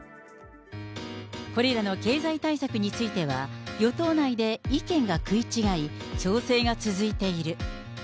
これらの経済対策については、与党内で意見が食い違い、調整が続いている。